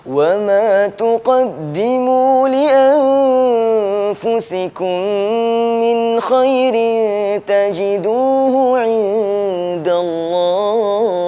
wa ma tuqaddimu li anfusikum min khairin tajiduhu indallah